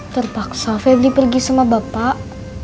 terpaksa febri pergi sama bapak